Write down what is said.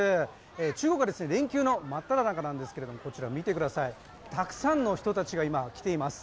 中国は、連休の真っただ中ですがこちら見てください、たくさんの人たちが今来ています。